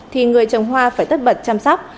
thì người trồng hoa phải tất bật chăm sóc